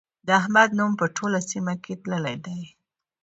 د احمد نوم په ټوله سيمه کې تللی دی.